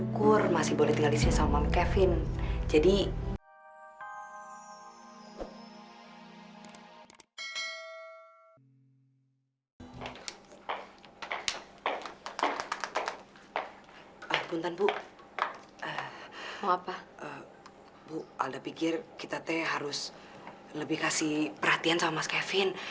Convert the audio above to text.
bu alda pikir kita harus lebih kasih perhatian sama mas kevin